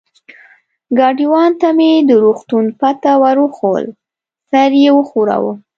ګاډیوان ته مې د روغتون پته ور وښوول، سر یې و ښوراوه.